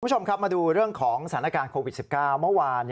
คุณผู้ชมครับมาดูเรื่องของสถานการณ์โควิด๑๙เมื่อวาน